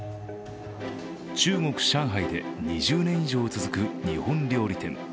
中国・上海で２０年以上続く日本料理店。